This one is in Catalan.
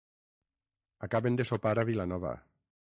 Acaben de sopar a Vilanova.